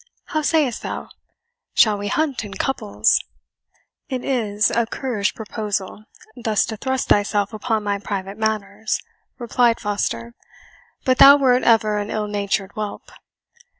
How sayest thou shall we hunt in couples?" "It is a currish proposal thus to thrust thyself upon my private matters," replied Foster; "but thou wert ever an ill nurtured whelp."